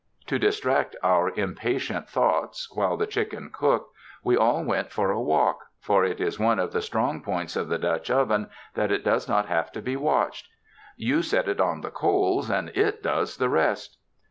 To distract our impatient thoughts while the chicken cooked, we all went for a walk; for it is one of the strong points of the Dutch oven that it does not have to be watched. You set it on the coals and it does the rest.